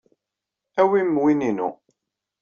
Awim win-inu.